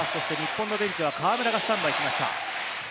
日本のベンチは河村がスタンバイしました。